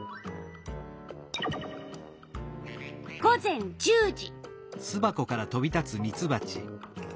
午前１０時。